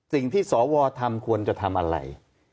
สิ่งที่สวทำควรจะทำอะไร